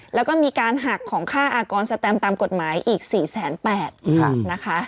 แล้วก็มีการหักของค่าอากรสแตมตามกฎหมายอีก๔๘๐๐๐นะคะ